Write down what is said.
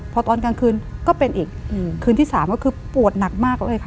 พอตอนกลางคืนก็เป็นอีกคืนที่๓ก็คือปวดหนักมากเลยค่ะ